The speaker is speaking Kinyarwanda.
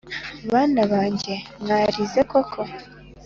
bana bange mwarize koko